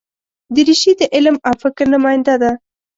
دریشي د علم او فکر نماینده ده.